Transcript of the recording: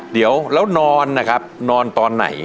เดี๋ยวแล้วนอนนะครับนอนตอนไหน